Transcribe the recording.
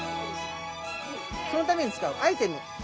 そのために使うアイテム。